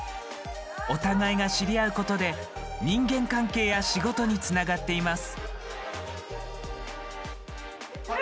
お互いが知り合うことで人間関係や仕事につながっています。